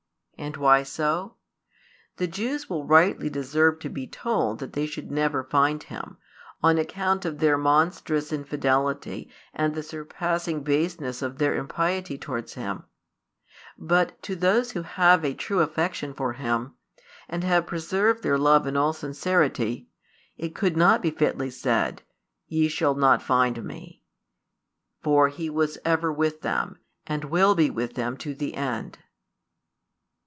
And why so? The Jews will rightly deserve to be told that they should never find Him, on account of their monstrous infidelity and the surpassing baseness of their impiety towards Him: but to those who have a true affection for Him, and have preserved their love in all sincerity, it could not be fitly said: "Ye shall |216 not find Me." For He was ever with them, and will be with them to the end.